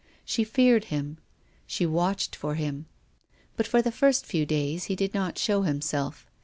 She feared him. She watched for him. But, for the first few days, he did not show himself.